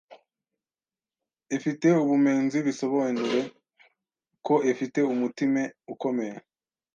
e fi te ubumenzi bisobenure ko e fi te umutime ukomeye